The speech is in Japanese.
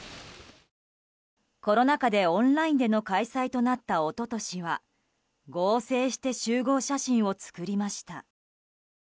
コロナ禍でオンラインでの開催となった一昨年は合成して集合写真を作りました。